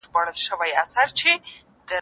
ستا لارښود استاد ډېر تجربه لرونکی دی.